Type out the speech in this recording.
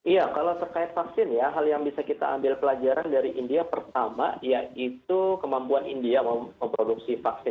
iya kalau terkait vaksin ya hal yang bisa kita ambil pelajaran dari india pertama yaitu kemampuan india memproduksi vaksin